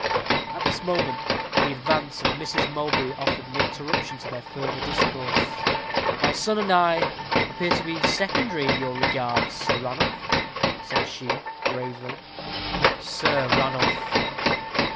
At this moment the advance of Mrs. Mowbray offered an interruption to their further discourse. "My son and I appear to be secondary in your regards, Sir Ranulph," said she, gravely. "Sir Ranulph!"